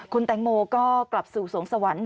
คุณแตงโมก็กลับสู่สวงสวรรค์